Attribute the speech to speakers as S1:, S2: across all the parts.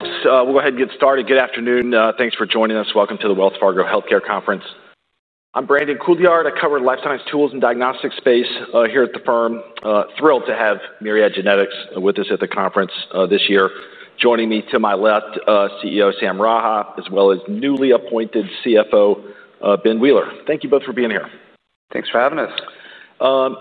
S1: Let's go ahead and get started. Good afternoon. Thanks for joining us. Welcome to the Wells Fargo Healthcare Conference. I'm Brandon Couillard. I cover life sciences tools and diagnostics space here at the firm. Thrilled to have Myriad Genetics with us at the conference this year. Joining me to my left, CEO Sam Raha, as well as newly appointed CFO, Ben Wheeler. Thank you both for being here.
S2: Thanks for having us.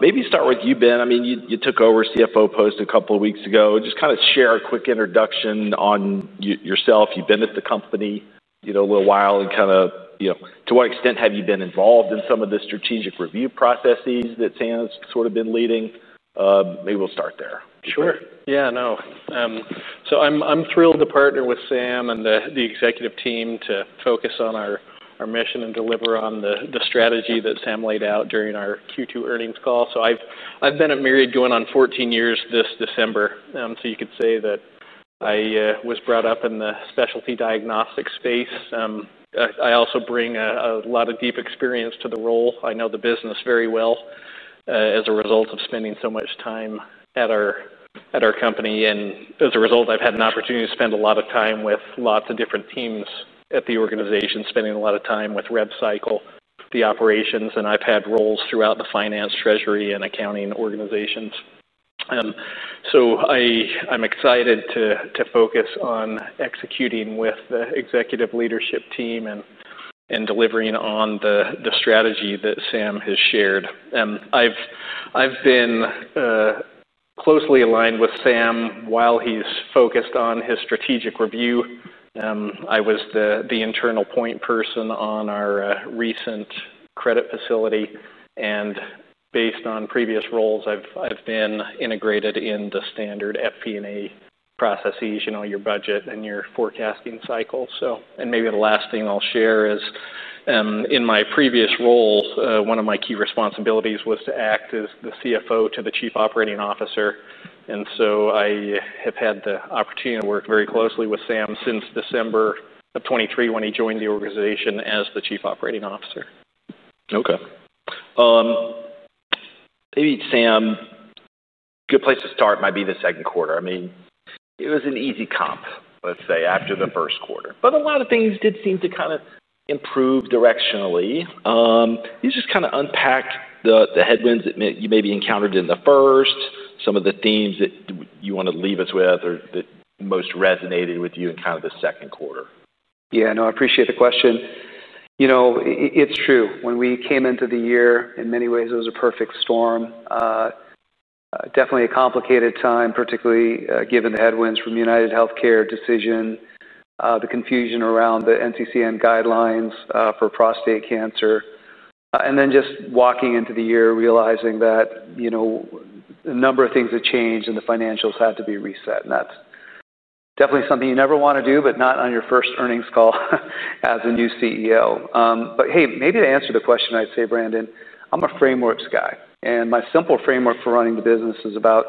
S1: Maybe start with you, Ben. I mean, you took over CFO post a couple of weeks ago. Just kind of share a quick introduction on yourself. You've been at the company a little while. To what extent have you been involved in some of the strategic review processes that Sam's sort of been leading? Maybe we'll start there.
S3: Sure. Yeah, no. I'm thrilled to partner with Sam and the executive team to focus on our mission and deliver on the strategy that Sam laid out during our Q2 earnings call. I've been at Myriad going on 14 years this December. You could say that I was brought up in the specialty diagnostics space. I also bring a lot of deep experience to the role. I know the business very well as a result of spending so much time at our company. As a result, I've had an opportunity to spend a lot of time with lots of different teams at the organization, spending a lot of time with revenue cycle, the operations. I've had roles throughout the Finance, Treasury, and Accounting organizations. I'm excited to focus on executing with the executive leadership team and delivering on the strategy that Sam has shared. I've been closely aligned with Sam while he's focused on his strategic review. I was the internal point person on our recent credit facility. Based on previous roles, I've been integrated in the standard FP&A processes, you know, your budget and your forecasting cycle. Maybe the last thing I'll share is, in my previous role, one of my key responsibilities was to act as the CFO to the Chief Operating Officer. I have had the opportunity to work very closely with Sam since December of 2023 when he joined the organization as the Chief Operating Officer.
S1: Okay. Maybe, Sam, a good place to start might be the second quarter. I mean, it was an easy comp, let's say, after the first quarter. A lot of things did seem to kind of improve directionally. Can you just kind of unpack the headwinds that you maybe encountered in the first, some of the themes that you want to leave us with or that most resonated with you in kind of the second quarter?
S2: Yeah, no, I appreciate the question. You know, it's true. When we came into the year, in many ways, it was a perfect storm. Definitely a complicated time, particularly given the headwinds from the UnitedHealthcare decision, the confusion around the NCCN guidelines for prostate cancer. Just walking into the year, realizing that, you know, a number of things had changed and the financials had to be reset. That's definitely something you never want to do, but not on your first earnings call as a new CEO. Maybe to answer the question, I'd say, Brandon, I'm a frameworks guy. My simple framework for running the business is about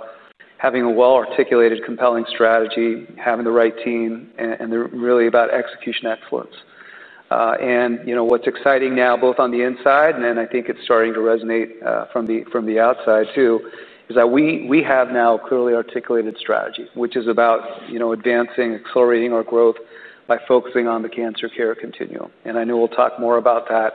S2: having a well-articulated, compelling strategy, having the right team, and they're really about execution excellence. You know, what's exciting now, both on the inside, and then I think it's starting to resonate from the outside too, is that we have now a clearly articulated strategy, which is about advancing, accelerating our growth by focusing on the cancer care continuum. I know we'll talk more about that.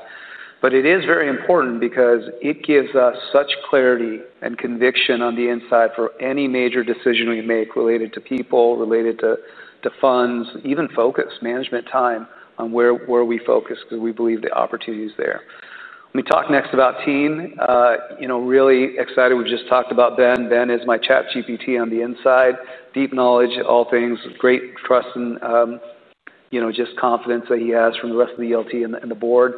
S2: It is very important because it gives us such clarity and conviction on the inside for any major decision we make related to people, related to funds, even focus, management time, on where we focus because we believe the opportunity is there. When we talk next about team, you know, really excited. We've just talked about Ben. Ben is my ChatGPT on the inside, deep knowledge at all things, great trust, and you know, just confidence that he has from the rest of the ELT and the board.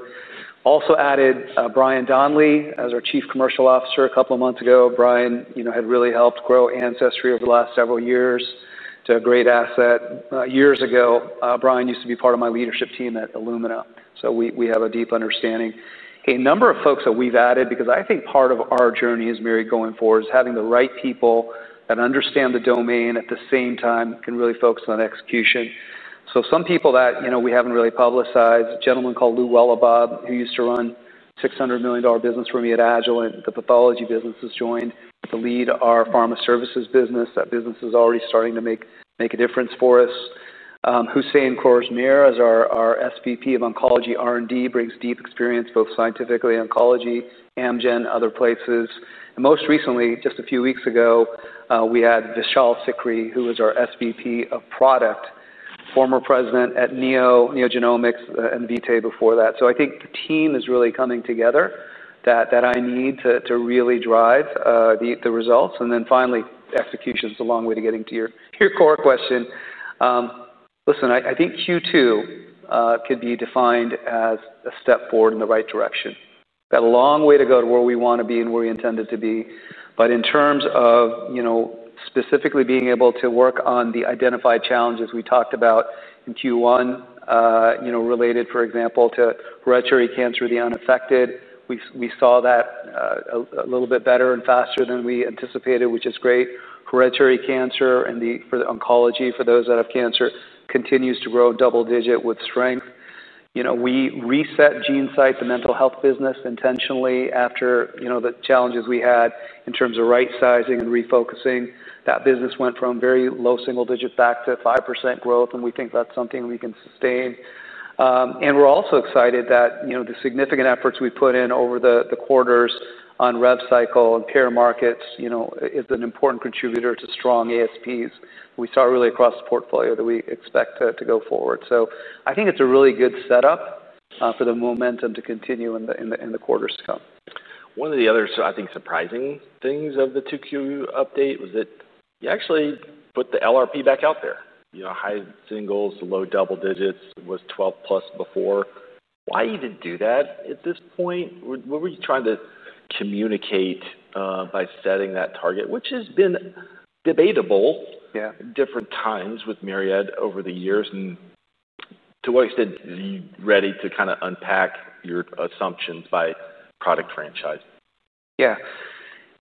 S2: Also added Brian Donnelly as our Chief Commercial Officer a couple of months ago. Brian, you know, had really helped grow Ancestry over the last several years to a great asset. Years ago, Brian used to be part of my leadership team at Illumina. We have a deep understanding. A number of folks that we've added because I think part of our journey as Myriad going forward is having the right people that understand the domain, at the same time can really focus on execution. Some people that, you know, we haven't really publicized, a gentleman called Lou Wellabob, who used to run a $600 million business for me at Agilent, the pathology business, has joined to lead our pharma services business. That business is already starting to make a difference for us. Hussain Khorrammehr, as our SVP of Oncology R&D, brings deep experience both scientifically in oncology, Amgen, and other places. Most recently, just a few weeks ago, we had Vishal Sikri, who was our SVP of Product, former President at NeoGenomics, Inv itae before that. I think the team is really coming together that I need to really drive the results. Finally, execution is a long way to getting to your core question. I think Q2 could be defined as a step forward in the right direction. We've got a long way to go to where we want to be and where we intended to be. In terms of specifically being able to work on the identified challenges we talked about in Q1, related, for example, to hereditary cancer of the unaffected, we saw that a little bit better and faster than we anticipated, which is great. Hereditary cancer and the oncology for those that have cancer continues to grow double-digit with strength. We reset GeneSight, the mental health business, intentionally after the challenges we had in terms of right-sizing and refocusing. That business went from very low single-digit back to 5% growth. We think that's something we can sustain. We're also excited that the significant efforts we've put in over the quarters on revenue cycle management and peer markets is an important contributor to strong ASPs. We saw really across the portfolio that we expect to go forward. I think it's a really good setup for the momentum to continue in the quarters to come.
S1: One of the other, I think, surprising things of the 2Q update was that you actually put the LRP back out there. You know, high singles, low double digits, was 12%+ before. Why even do that at this point? What were you trying to communicate by setting that target, which has been debatable at different times with Myriad over the years? To what extent are you ready to kind of unpack your assumptions by product franchise?
S2: Yeah.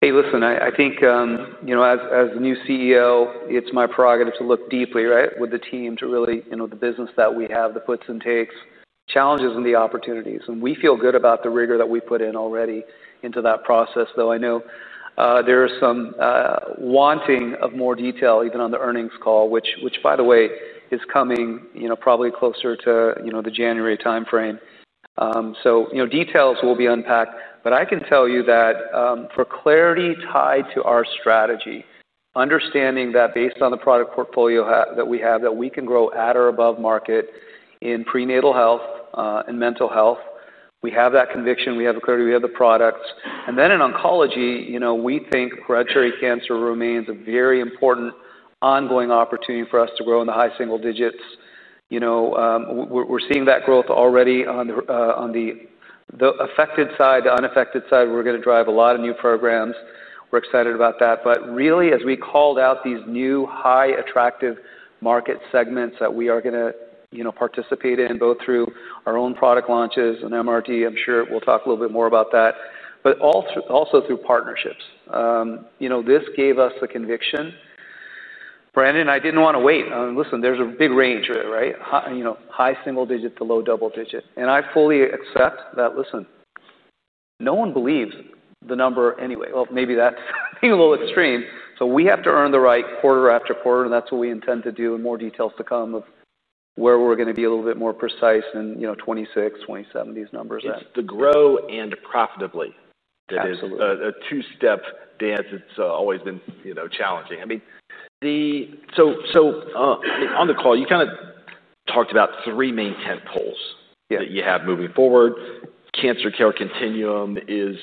S2: Hey, listen, I think, you know, as the new CEO, it's my prerogative to look deeply, right, with the team to really, you know, the business that we have, the puts and takes, challenges and the opportunities. We feel good about the rigor that we put in already into that process, though I know there is some wanting of more detail even on the earnings call, which, by the way, is coming, you know, probably closer to, you know, the January timeframe. Details will be unpacked. I can tell you that for clarity tied to our strategy, understanding that based on the product portfolio that we have, that we can grow at or above market in prenatal health and mental health, we have that conviction, we have the clarity, we have the products. In oncology, you know, we think hereditary cancer remains a very important ongoing opportunity for us to grow in the high single digits. We're seeing that growth already on the affected side, the unaffected side. We're going to drive a lot of new programs. We're excited about that. Really, as we called out these new high attractive market segments that we are going to, you know, participate in, both through our own product launches and MRD, I'm sure we'll talk a little bit more about that, but also through partnerships. This gave us the conviction. Brandon, I didn't want to wait. Listen, there's a big range, right? You know, high single digit to low double digit. I fully accept that, listen, no one believes the number anyway. Maybe that's a little extreme. We have to earn the right quarter after quarter. That's what we intend to do in more details to come of where we're going to be a little bit more precise in, you know, 2026, 2027, these numbers.
S1: To grow and profitably.
S2: Absolutely.
S1: A two-step dance that's always been challenging. On the call, you kind of talked about three main tentpoles that you have moving forward. Cancer care continuum is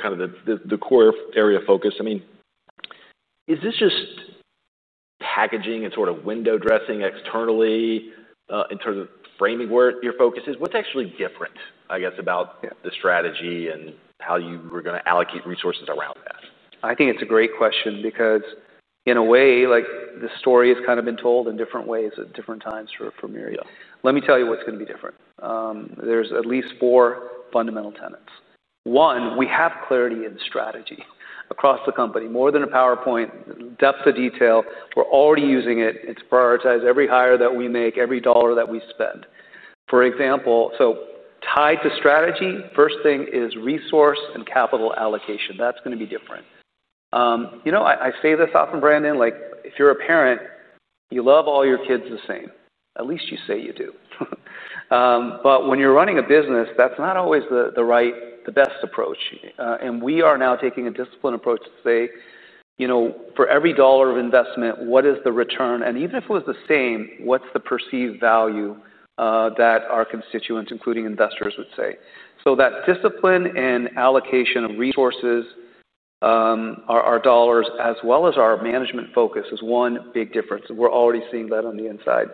S1: kind of the core area of focus. Is this just packaging and sort of window dressing externally in terms of framing where your focus is? What's actually different about the strategy and how you were going to allocate resources around that?
S2: I think it's a great question because, in a way, the story has kind of been told in different ways at different times for Myriad. Let me tell you what's going to be different. There are at least four fundamental tenets. One, we have clarity in strategy across the company, more than a PowerPoint, depth of detail. We're already using it. It's prioritized every hire that we make, every dollar that we spend. For example, tied to strategy, the first thing is resource and capital allocation. That's going to be different. I say this often, Brandon, like if you're a parent, you love all your kids the same. At least you say you do. When you're running a business, that's not always the right, the best approach. We are now taking a disciplined approach to say, for every dollar of investment, what is the return? Even if it was the same, what's the perceived value that our constituents, including investors, would say? That discipline and allocation of resources, our dollars, as well as our management focus, is one big difference. We're already seeing that on the inside.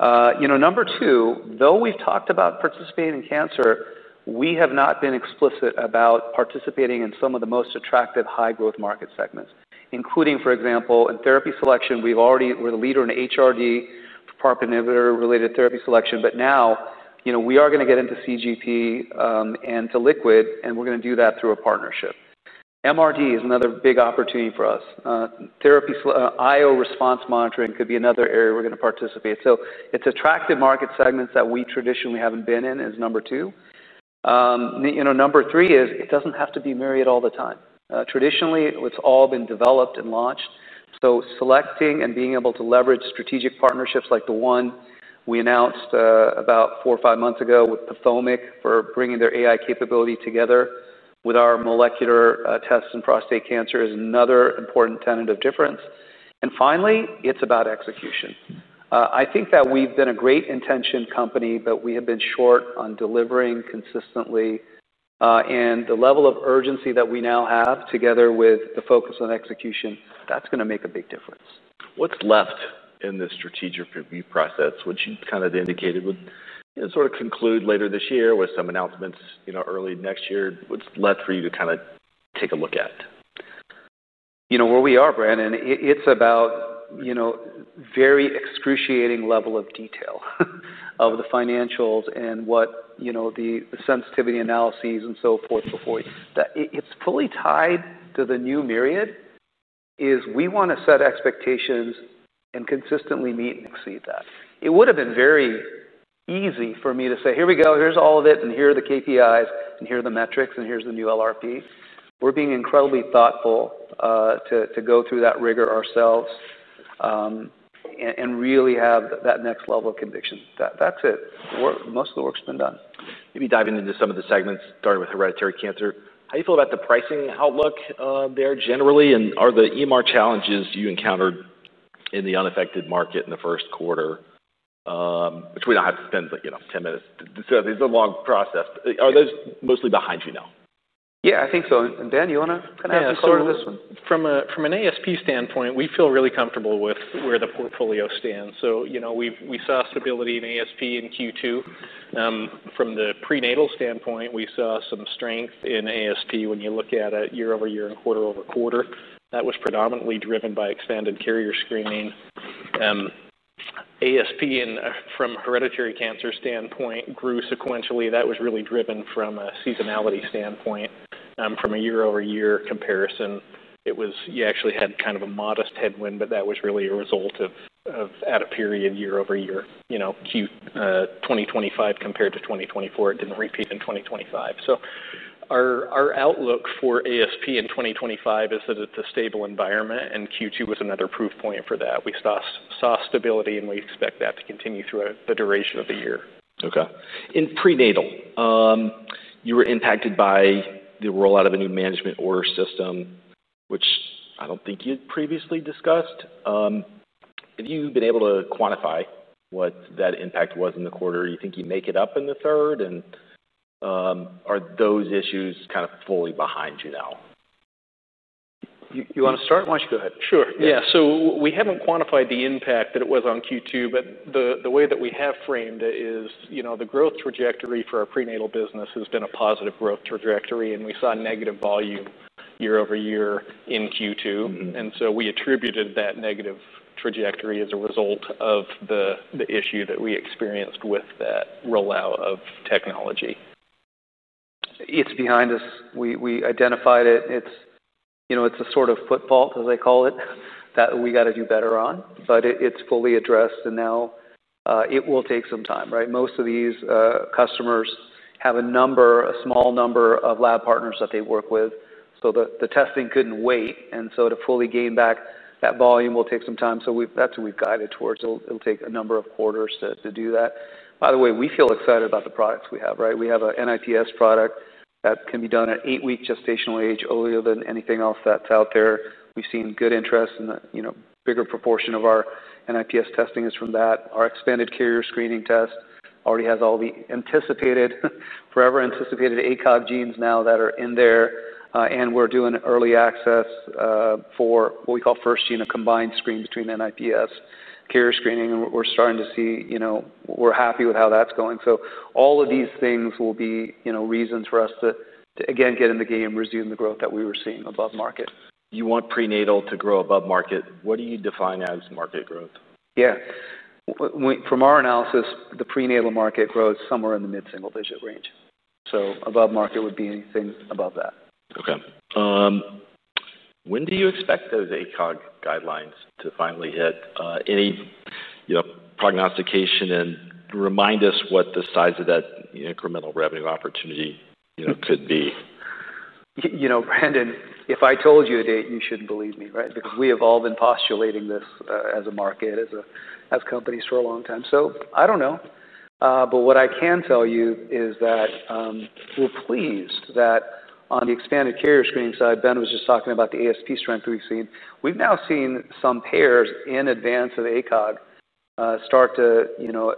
S2: Number two, though we've talked about participating in cancer, we have not been explicit about participating in some of the most attractive high growth market segments, including, for example, in therapy selection. We're the leader in HRD, PARP inhibitor-related therapy selection. Now, we are going to get into CGP and to liquid, and we're going to do that through a partnership. MRD is another big opportunity for us. IO response monitoring could be another area we're going to participate. Attractive market segments that we traditionally haven't been in is number two. Number three is it doesn't have to be Myriad all the time. Traditionally, it's all been developed and launched. Selecting and being able to leverage strategic partnerships like the one we announced about four or five months ago with PathomIQ for bringing their AI capability together with our molecular tests in prostate cancer is another important tenet of difference. Finally, it's about execution. I think that we've been a great intention company, but we have been short on delivering consistently. The level of urgency that we now have, together with the focus on execution, that's going to make a big difference.
S1: What's left in this strategic review process, which you kind of indicated would sort of conclude later this year with some announcements, early next year? What's left for you to kind of take a look at?
S2: You know, where we are, Brandon, it's about a very excruciating level of detail of the financials and what the sensitivity analyses and so forth before you. It's fully tied to the new Myriad, as we want to set expectations and consistently meet and exceed that. It would have been very easy for me to say, here we go, here's all of it, and here are the KPIs, and here are the metrics, and here's the new LRP. We're being incredibly thoughtful to go through that rigor ourselves and really have that next level of conviction. That's it. Most of the work's been done.
S1: Maybe diving into some of the segments, starting with hereditary cancer. How do you feel about the pricing outlook there generally? Are the EMR challenges you encountered in the unaffected market in the first quarter, which we don't have to spend, like, you know, 10 minutes? There's a long process. Are those mostly behind you now?
S2: Yeah, I think so. Ben, you want to kind of have the story of this one?
S3: From an ASP standpoint, we feel really comfortable with where the portfolio stands. We saw stability in ASP in Q2. From the prenatal standpoint, we saw some strength in ASP when you look at it year- over- year and quarter- over- quarter. That was predominantly driven by extended carrier screening. ASP from a hereditary cancer standpoint grew sequentially. That was really driven from a seasonality standpoint. From a year- over- year comparison, you actually had kind of a modest headwind, but that was really a result of at a period year- over- year, you know, Q2 2025 compared to 2024. It didn't repeat in 2025. Our outlook for ASP in 2025 is that it's a stable environment, and Q2 was another proof point for that. We saw stability, and we expect that to continue throughout the duration of the year.
S1: Okay. In prenatal, you were impacted by the rollout of a new management order system, which I don't think you had previously discussed. Have you been able to quantify what that impact was in the quarter? Do you think you make it up in the third? Are those issues kind of fully behind you now?
S2: You want to start? Why don't you go ahead?
S3: Sure. Yeah. We haven't quantified the impact that it was on Q2, but the way that we have framed it is, you know, the growth trajectory for our prenatal business has been a positive growth trajectory, and we saw negative volume year- over- year in Q2. We attributed that negative trajectory as a result of the issue that we experienced with that rollout of technology. It's behind us. We identified it. It's, you know, it's a sort of foot fault, as they call it, that we got to do better on. It's fully addressed, and now it will take some time, right? Most of these customers have a number, a small number of lab partners that they work with. The testing couldn't wait. To fully gain back that volume will take some time. That's what we've guided towards. It'll take a number of quarters to do that. By the way, we feel excited about the products we have, right? We have an NIPS product that can be done at eight-week gestational age, earlier than anything else that's out there. We've seen good interest, and a bigger proportion of our NIPS testing is from that. Our expanded carrier screening test already has all the anticipated, forever anticipated ACOG genes now that are in there. We're doing early access for what we call FirstGene, a combined screen between NIPS, carrier screening. We're starting to see, you know, we're happy with how that's going. All of these things will be, you know, reasons for us to, again, get in the game, resume the growth that we were seeing above market.
S1: You want prenatal to grow above market. What do you define as market growth?
S3: From our analysis, the prenatal market growth is somewhere in the mid-single digit range. Above market would be anything above that.
S1: Okay. When do you expect those ACOG guidelines to finally hit, any, you know, prognostication, and remind us what the size of that incremental revenue opportunity, you know, could be?
S2: You know, Brandon, if I told you that you shouldn't believe me, right? Because we have all been postulating this as a market, as companies for a long time. I don't know. What I can tell you is that we're pleased that on the expanded carrier screening side, Ben was just talking about the ASP strength we've seen. We've now seen some payers in advance of ACOG start to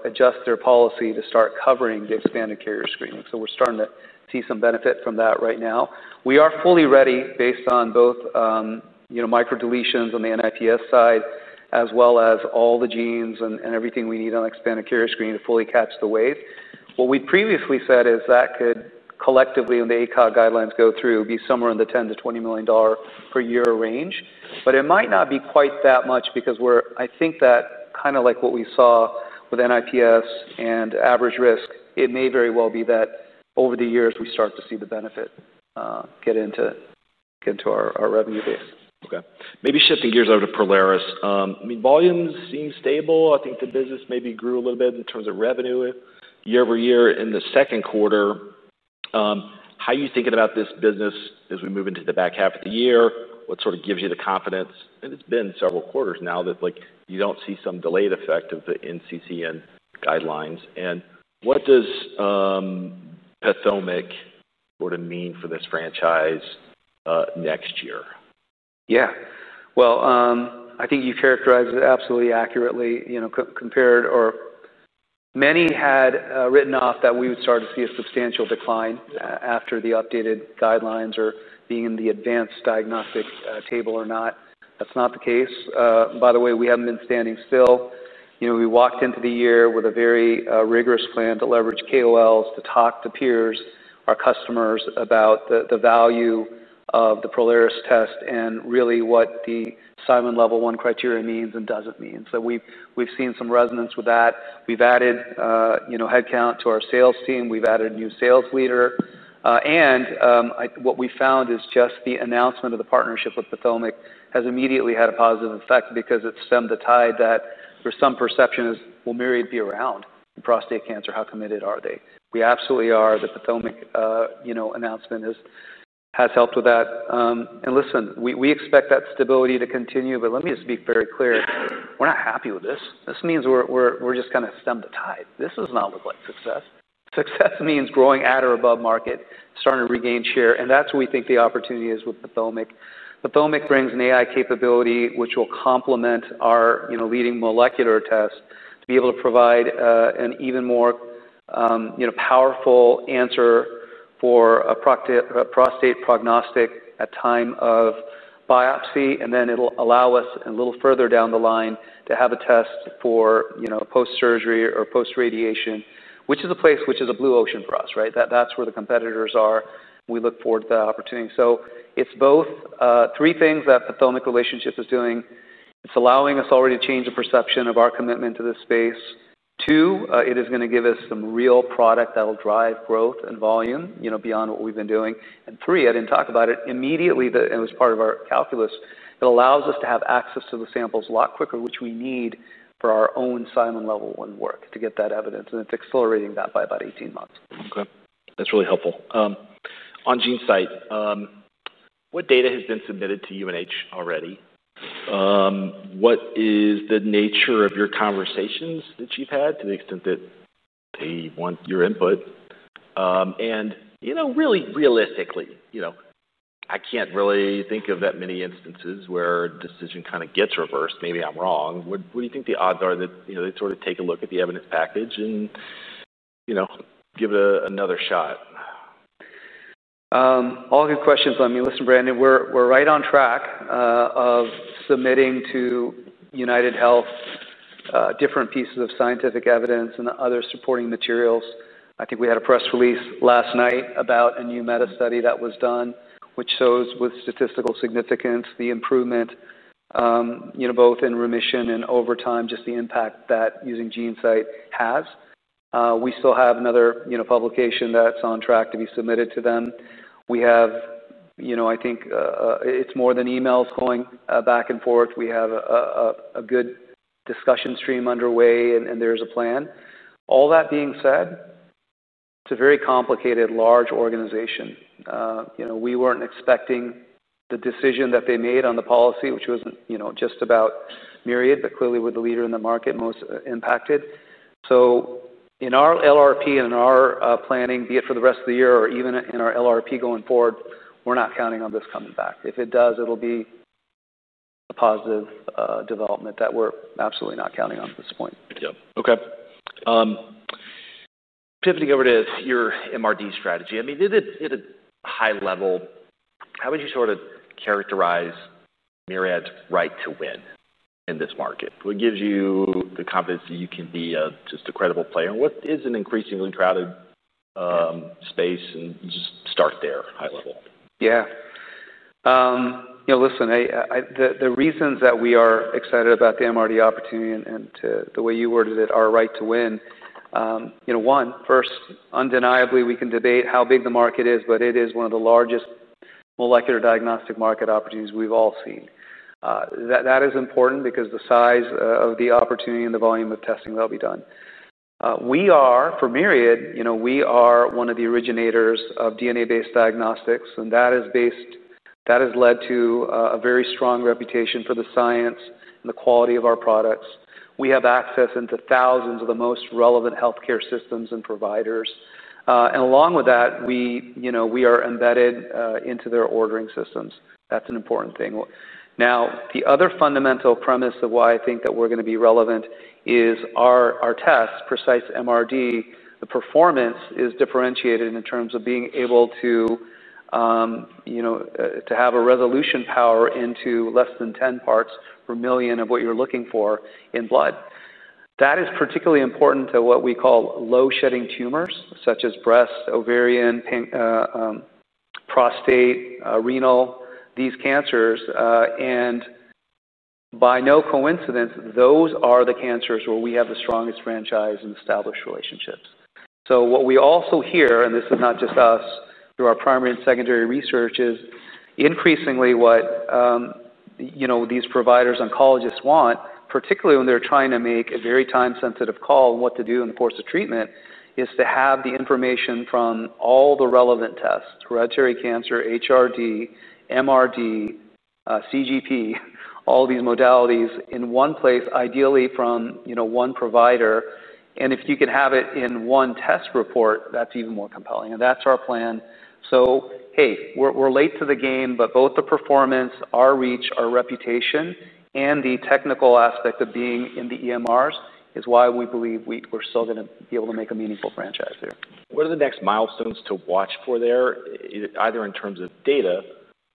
S2: adjust their policy to start covering the expanded carrier screening. We're starting to see some benefit from that right now. We are fully ready based on both microdeletions on the NIPS side, as well as all the genes and everything we need on expanded carrier screening to fully catch the wave. What we previously said is that could collectively, when the ACOG guidelines go through, be somewhere in the $10 million- $20 million per year range. It might not be quite that much because I think that kind of like what we saw with NIPS and average risk, it may very well be that over the years, we start to see the benefit get into our revenue base.
S1: Okay. Maybe shifting gears over to Polaris. I mean, volumes seem stable. I think the business maybe grew a little bit in terms of revenue year- over- year in the second quarter. How are you thinking about this business as we move into the back half of the year? What sort of gives you the confidence? It's been several quarters now that you don't see some delayed effect of the NCCN guidelines. What does PathomIQ sort of mean for this franchise next year?
S2: Yeah. I think you characterized it absolutely accurately, you know, compared or many had written off that we would start to see a substantial decline after the updated guidelines or being in the advanced diagnostic table or not. That's not the case. By the way, we haven't been standing still. We walked into the year with a very rigorous plan to leverage KOLs to talk to peers, our customers about the value of the Polaris test and really what the Simon Level 1 criteria means and doesn't mean. We've seen some resonance with that. We've added headcount to our sales team. We've added a new sales leader. What we found is just the announcement of the partnership with PathomIQ has immediately had a positive effect because it stemmed the tide that there's some perception as, well, Myriad be around prostate cancer. How committed are they? We absolutely are. That PathomIQ announcement has helped with that. Listen, we expect that stability to continue. Let me just be very clear. We're not happy with this. This means we've just kind of stemmed the tide. This does not look like success. Success means growing at or above market, starting to regain share. That's where we think the opportunity is with PathomIQ. PathomIQ brings an AI capability which will complement our leading molecular tests to be able to provide an even more powerful answer for a prostate prognostic at the time of biopsy. It'll allow us a little further down the line to have a test for post-surgery or post-radiation, which is a place, which is a blue ocean for us, right? That's where the competitors are. We look forward to that opportunity. It's both three things that PathomIQ relationship is doing. It's allowing us already to change the perception of our commitment to this space. Two, it is going to give us some real product that will drive growth and volume beyond what we've been doing. Three, I didn't talk about it immediately, but it was part of our calculus. It allows us to have access to the samples a lot quicker, which we need for our own Simon Level 1 work to get that evidence. It's accelerating that by about 18 months.
S1: Okay. That's really helpful. On GeneSight, what data has been submitted to UNH already? What is the nature of your conversations that you've had to the extent that they want your input? You know, really realistically, I can't really think of that many instances where a decision kind of gets reversed. Maybe I'm wrong. What do you think the odds are that they sort of take a look at the evidence package and give it another shot?
S2: All good questions. I mean, listen, Brandon, we're right on track of submitting to UnitedHealthcare different pieces of scientific evidence and other supporting materials. I think we had a press release last night about a new meta study that was done, which shows with statistical significance the improvement, you know, both in remission and over time, just the impact that using GeneSight has. We still have another, you know, publication that's on track to be submitted to them. We have, you know, I think it's more than emails going back and forth. We have a good discussion stream underway, and there's a plan. All that being said, it's a very complicated, large organization. You know, we weren't expecting the decision that they made on the policy, which wasn't, you know, just about Myriad, but clearly with the leader in the market most impacted. In our LRP and in our planning, be it for the rest of the year or even in our LRP going forward, we're not counting on this coming back. If it does, it'll be a positive development that we're absolutely not counting on at this point.
S1: Okay. Pivoting over to your MRD strategy, at a high level, how would you sort of characterize Myriad Genetics' right to win in this market? What gives you the confidence that you can be just a credible player in what is an increasingly crowded space? You just start there high level.
S2: Yeah. You know, listen, the reasons that we are excited about the MRD opportunity and the way you worded it, our right to win, you know, one, first, undeniably, we can debate how big the market is, but it is one of the largest molecular diagnostic market opportunities we've all seen. That is important because the size of the opportunity and the volume of testing that will be done. We are, for Myriad, you know, we are one of the originators of DNA-based diagnostics, and that has led to a very strong reputation for the science and the quality of our products. We have access into thousands of the most relevant healthcare systems and providers, and along with that, we, you know, we are embedded into their ordering systems. That's an important thing. Now, the other fundamental premise of why I think that we're going to be relevant is our tests, precise MRD, the performance is differentiated in terms of being able to, you know, to have a resolution power into less than 10 parts per million of what you're looking for in blood. That is particularly important to what we call low shedding tumors, such as breast, ovarian, prostate, renal, these cancers. By no coincidence, those are the cancers where we have the strongest franchise and established relationships. What we also hear, and this is not just us, through our primary and secondary research, is increasingly what, you know, these providers, oncologists want, particularly when they're trying to make a very time-sensitive call on what to do in the course of treatment, is to have the information from all the relevant tests, hereditary cancer, HRD, MRD, CGP, all these modalities in one place, ideally from, you know, one provider. If you can have it in one test report, that's even more compelling. That's our plan. Hey, we're late to the game, but both the performance, our reach, our reputation, and the technical aspect of being in the EMRs is why we believe we're still going to be able to make a meaningful franchise here.
S1: What are the next milestones to watch for there, either in terms of data?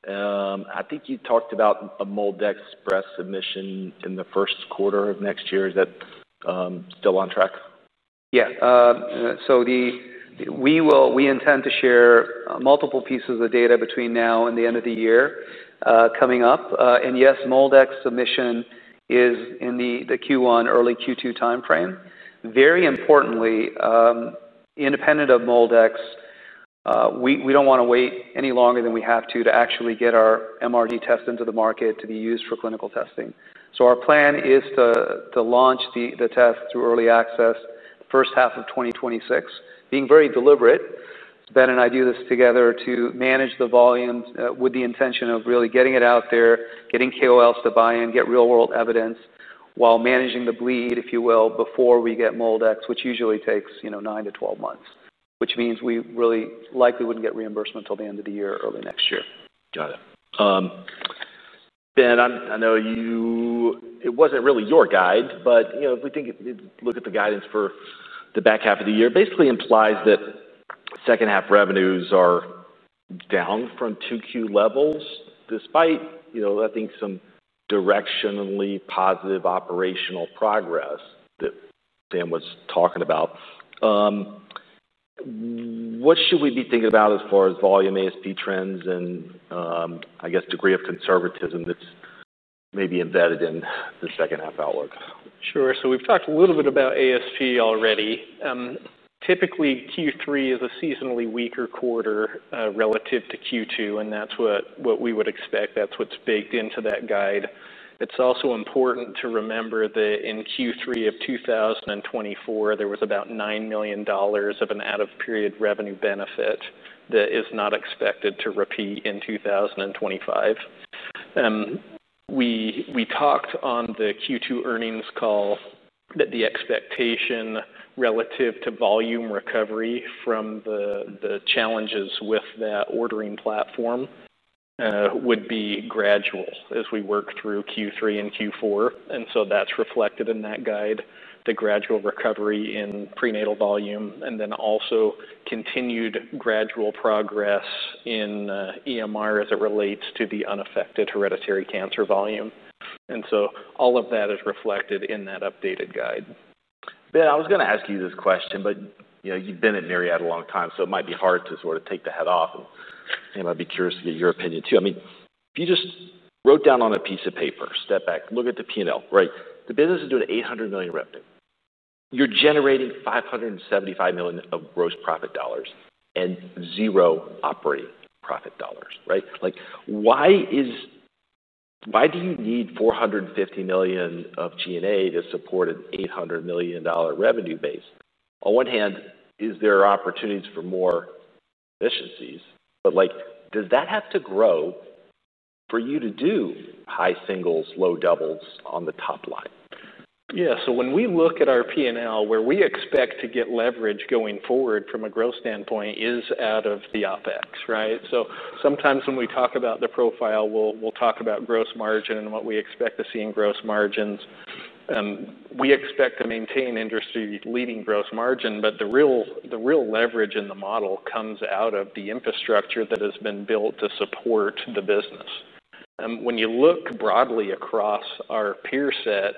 S1: I think you talked about a MolDX express submission in the first quarter of next year. Is that still on track?
S2: Yeah. We intend to share multiple pieces of data between now and the end of the year coming up. Yes, MolDx submission is in the Q1, early Q2 timeframe. Very importantly, independent of MolDx, we don't want to wait any longer than we have to to actually get our MRD test into the market to be used for clinical testing. Our plan is to launch the test through early access, first half of 2026, being very deliberate. Ben and I do this together to manage the volume with the intention of really getting it out there, getting KOLs to buy in, get real-world evidence while managing the bleed, if you will, before we get MolDx, which usually takes, you know, 9 months- 12 months, which means we really likely wouldn't get reimbursement till the end of the year, early next year.
S1: Got it. Ben, I know it wasn't really your guide, but if we look at the guidance for the back half of the year, it basically implies that second half revenues are down from 2Q levels, despite, I think, some directionally positive operational progress that Dan was talking about. What should we be thinking about as far as volume ASP trends and, I guess, degree of conservatism that's maybe embedded in the second half outlook?
S3: Sure. We've talked a little bit about ASP already. Typically, Q3 is a seasonally weaker quarter relative to Q2, and that's what we would expect. That's what's baked into that guide. It's also important to remember that in Q3 of 2024, there was about $9 million of an out-of-period revenue benefit that is not expected to repeat in 2025. We talked on the Q2 earnings call that the expectation relative to volume recovery from the challenges with that ordering platform would be gradual as we work through Q3 and Q4. That is reflected in that guide, the gradual recovery in prenatal volume, and also continued gradual progress in EMR as it relates to the unaffected hereditary cancer volume. All of that is reflected in that updated guide.
S1: Ben, I was going to ask you this question, but you've been at Myriad a long time, so it might be hard to sort of take the head off. I'd be curious to get your opinion too. I mean, if you just wrote down on a piece of paper, step back, look at the P&L, right? The business is doing $800 million revenue. You're generating $575 million of gross profit dollars and zero operating profit dollars, right? Like, why do you need $450 million of G&A to support an $800 million revenue base? On one hand, is there opportunities for more efficiencies? Does that have to grow for you to do high singles, low doubles on the top line?
S3: Yeah. When we look at our P&L, where we expect to get leverage going forward from a growth standpoint is out of the OpEx, right? Sometimes when we talk about the profile, we'll talk about gross margin and what we expect to see in gross margins. We expect to maintain industry-leading gross margin, but the real leverage in the model comes out of the infrastructure that has been built to support the business. When you look broadly across our peer set,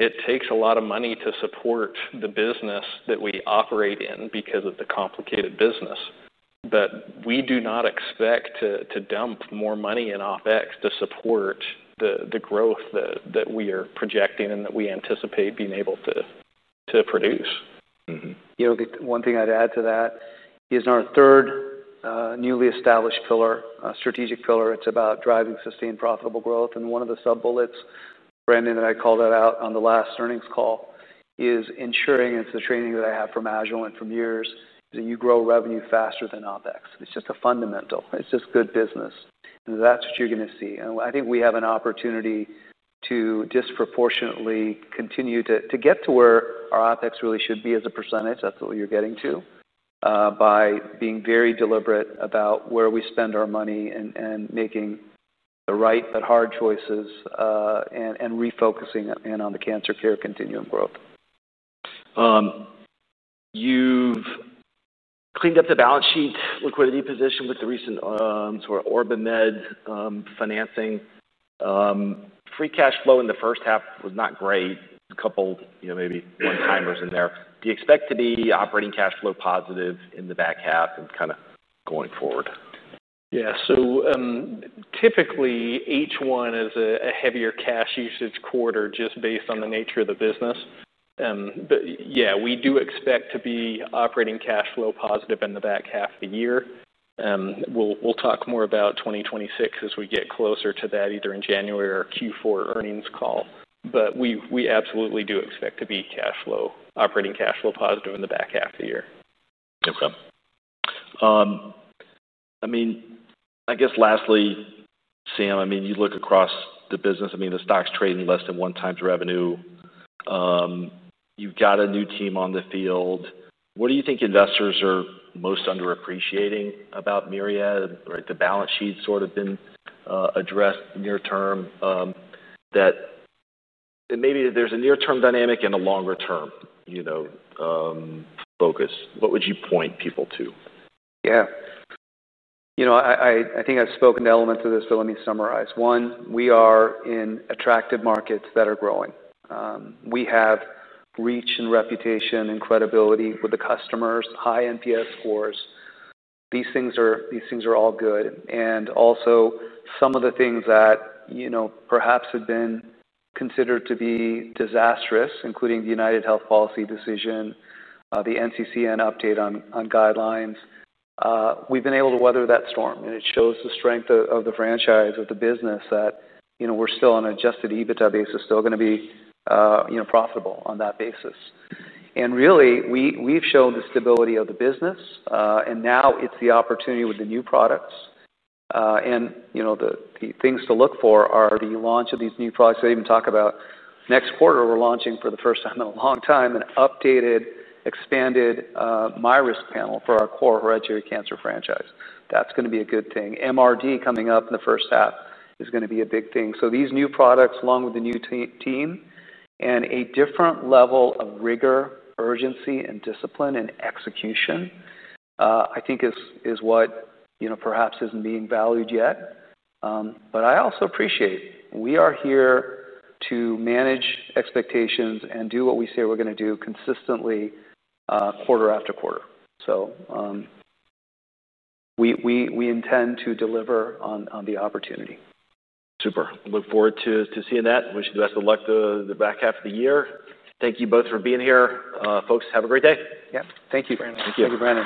S3: it takes a lot of money to support the business that we operate in because of the complicated business. We do not expect to dump more money in OpEx to support the growth that we are projecting and that we anticipate being able to produce.
S2: One thing I'd add to that is our third newly established strategic pillar. It's about driving sustained profitable growth. One of the sub-bullets, Brandon, that I called out on the last earnings call is ensuring, and it's the training that I have from Agilent and from yours, that you grow revenue faster than OpEx. It's just a fundamental. It's just good business. That's what you're going to see. I think we have an opportunity to disproportionately continue to get to where our OpEx really should be as a percentage. That's what you're getting to, by being very deliberate about where we spend our money and making the right but hard choices, and refocusing in on the cancer care continuum growth.
S1: You've cleaned up the balance sheet, liquidity position with the recent sort of OrbiMed financing. Free cash flow in the first half was not great, coupled, you know, maybe one-timers in there. Do you expect to be operating cash flow positive in the back half and kind of going forward?
S3: Yeah. Typically, H1 is a heavier cash usage quarter just based on the nature of the business. Yeah, we do expect to be operating cash flow positive in the back half of the year. We'll talk more about 2026 as we get closer to that, either in January or Q4 earnings call. We absolutely do expect to be operating cash flow positive in the back half of the year.
S1: Okay. I mean, I guess lastly, Sam, I mean, you look across the business. I mean, the stock's trading less than one times revenue. You've got a new team on the field. What do you think investors are most underappreciating about Myriad? The balance sheet's sort of been addressed near-term. Maybe there's a near-term dynamic and a longer term, you know, focus. What would you point people to?
S2: Yeah. I think I've spoken to elements of this, but let me summarize. One, we are in attractive markets that are growing. We have reach and reputation and credibility with the customers, high NPS scores. These things are all good. Also, some of the things that, you know, perhaps had been considered to be disastrous, including the UnitedHealthcare policy decision, the NCCN update on guidelines, we've been able to weather that storm. It shows the strength of the franchise, of the business, that, you know, we're still on an adjusted EBITDA basis, still going to be, you know, profitable on that basis. Really, we've shown the stability of the business. Now it's the opportunity with the new products. The things to look for are the launch of these new products. I even talk about next quarter, we're launching for the first time in a long time, an updated, expanded MyRisk panel for our core hereditary cancer franchise. That's going to be a good thing. MRD coming up in the first half is going to be a big thing. These new products, along with the new team and a different level of rigor, urgency, and discipline and execution, I think is what, you know, perhaps isn't being valued yet. I also appreciate we are here to manage expectations and do what we say we're going to do consistently, quarter after quarter. We intend to deliver on the opportunity.
S1: Super. I look forward to seeing that. Wish you the best of luck to the back half of the year. Thank you both for being here. Folks, have a great day.
S3: Yeah, thank you, Brandon.
S2: Thank you.
S3: Thank you, Brandon.